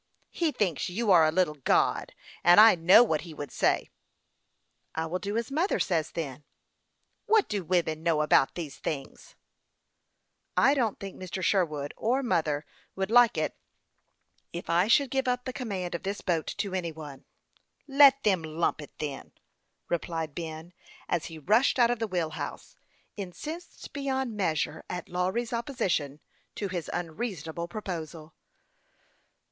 " He thinks you are a little god, and I know what he would say." " I will do as mother says, then." " "What do women know about these things ?"" I don't think Mr. Sherwood or mother, either, would like it if I should give up the command of this boat to any one." " Let them lump it, then," replied Ben, as he rushed out of the wheel house, incensed beyond measure at Lawry's opposition to his unreasonable proposal.